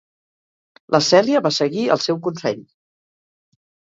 La Celia va seguir el seu consell.